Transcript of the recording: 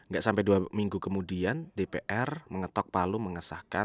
gak sampai dua minggu kemudian dpr mengetok palu mengesahkan